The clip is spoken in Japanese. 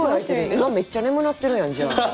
今めっちゃ眠なってるやんじゃあ。